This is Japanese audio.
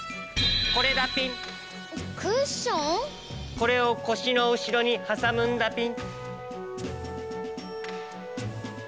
これをこしのうしろにはさむんだピン。